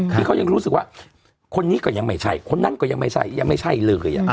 ที่เขายังรู้สึกว่าคนนี้ก็ยังไม่ใช่คนนั้นก็ยังไม่ใช่ยังไม่ใช่เลย